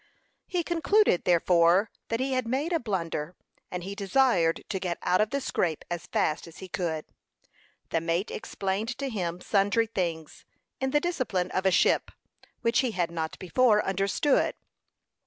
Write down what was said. He concluded, therefore, that he had made a blunder, and he desired to get out of the scrape as fast as he could. The mate explained to him sundry things, in the discipline of a ship, which he had not before understood.